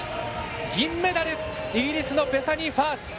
銀メダル、イギリスのファース。